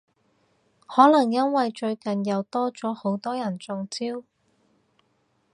可能因為最近又多咗好多人中招？